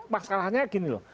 masalahnya gini loh